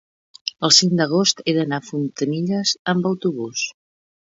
el cinc d'agost he d'anar a Fontanilles amb autobús.